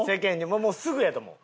もうすぐやと思う。